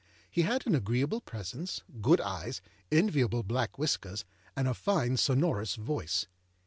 He had an agreeable presence, good eyes, enviable black whiskers, and a fine sonorous voice.